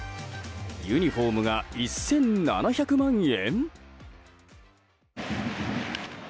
ユニホームが１７００万円！